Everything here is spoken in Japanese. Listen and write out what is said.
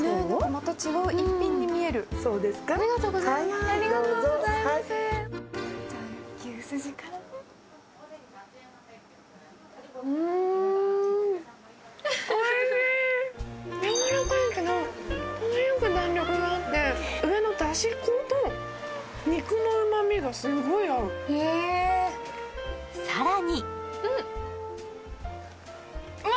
また違う一品に見えるそうですかありがとうございますじゃあ牛すじからうんやわらかいけど程よく弾力があって上のダシ粉と肉の旨みがすごい合うさらにうわ